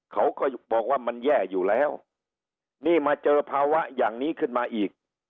เขาก็บอกว่ามันแย่อยู่แล้วนี่มาเจอภาวะอย่างนี้ขึ้นมาอีก